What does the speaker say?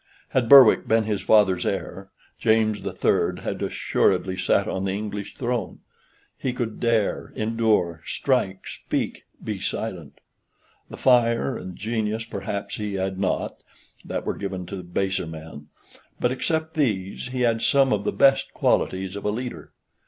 Had Berwick been his father's heir, James the Third had assuredly sat on the English throne. He could dare, endure, strike, speak, be silent. The fire and genius, perhaps, he had not (that were given to baser men), but except these he had some of the best qualities of a leader.